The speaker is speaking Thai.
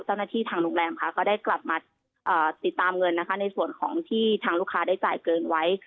เจ้าหน้าที่ทางโรงแรมก็ได้กลับมาติดตามเงินในส่วนของที่ทางลูกค้าได้จ่ายเกินไว้